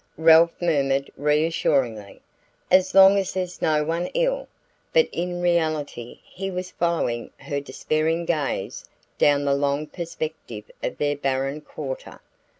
Ralph murmured reassuringly: "As long as there's no one ill!" but in reality he was following her despairing gaze down the long perspective of their barren quarter.